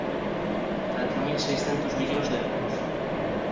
Catro mil seiscentos millóns de euros.